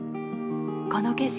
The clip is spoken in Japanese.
この景色